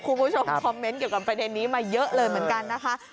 คุณผู้ชมคอมเมนต์เกี่ยวกับประเด็นนี้มาเยอะเลยเหมือนกันนะคะ